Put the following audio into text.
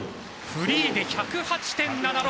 フリーで１０８．７６！